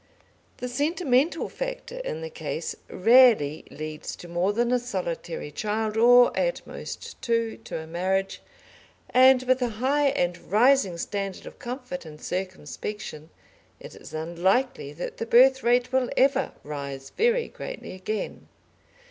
The sentimental factor in the case rarely leads to more than a solitary child or at most two to a marriage, and with a high and rising standard of comfort and circumspection it is unlikely that the birth rate will ever rise very greatly again.